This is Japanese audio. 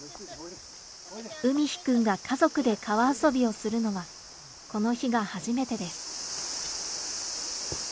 海陽くんが家族で川遊びをするのは、この日が初めてです。